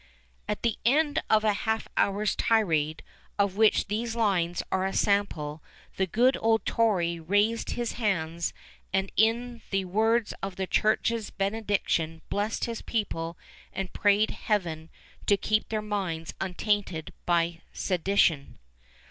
At the end of a half hour's tirade, of which these lines are a sample, the good old Tory raised his hands, and in the words of the Church's benediction blessed his people and prayed Heaven to keep their minds untainted by sedition.